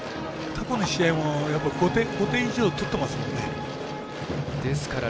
過去の試合も５点以上取ってますから。